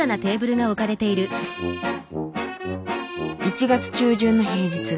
１月中旬の平日。